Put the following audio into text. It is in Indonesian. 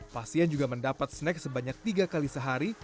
pasien juga mendapat snack sebanyak tiga kali sehari